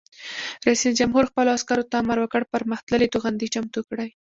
رئیس جمهور خپلو عسکرو ته امر وکړ؛ پرمختللي توغندي چمتو کړئ!